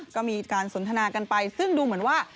ก็มีการสนทนากันไปซึ่งดูเหมือนว่า